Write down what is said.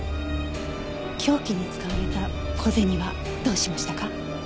凶器に使われた小銭はどうしましたか？